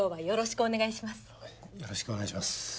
よろしくお願いします。